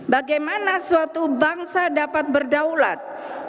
bagaimana suatu bangsa dapat berdaulat